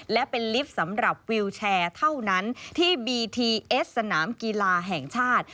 และเป็นลิฟต์สำหรับวิวแชร์เท่านั้นที่บีทีเอสสนามกีฬาแห่งชาติ